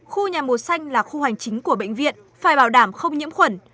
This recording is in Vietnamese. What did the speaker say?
khu nhà màu xanh là khu hoành chính của bệnh viện phải bảo đảm không nhiễm khuẩn